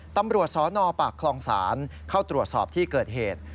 ตำรวจสนปากคลองศาลเข้าตรวจสอบที่เกิดเหตุ